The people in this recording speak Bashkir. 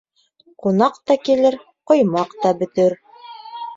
Кунаҡ та килер, ҡоймаҡ та бөтөр.